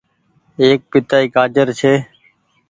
ايڪ پيتآئي گآجر ڇي ۔